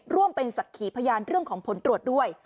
ร่วมเป็นศักดิ์ขีพยานเรื่องของผลตรวจด้วย